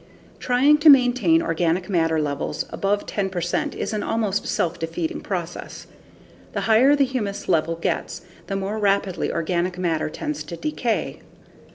Trying to maintain organic matter levels above 10 percent is an almost self defeating process. The higher the humus level gets, the more rapidly organic matter tends to decay.